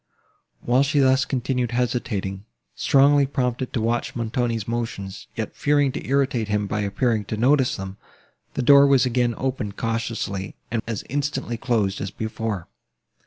While she thus continued hesitating, strongly prompted to watch Montoni's motions, yet fearing to irritate him by appearing to notice them, the door was again opened cautiously, and as instantly closed as before.